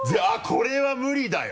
これは無理だよ。